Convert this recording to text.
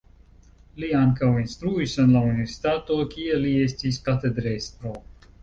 Li ankaŭ instruis en la universitato, kie li estis katedrestro.